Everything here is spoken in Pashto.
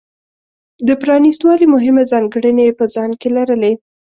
د پرانېست والي مهمې ځانګړنې یې په ځان کې لرلې.